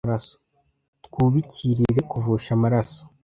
Twubikirire kuvusha amaraso